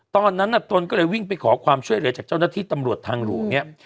ตัวนึงก็เลยวิ่งไปขอความช่วยเหลือจากเจ้านักธิตำรวจทางโหลเนี้ย